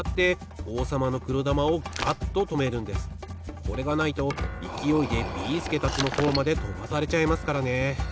これがないといきおいでビーすけたちのほうまでとばされちゃいますからね。